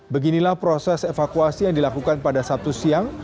beginilah proses evakuasi yang dilakukan pada sabtu siang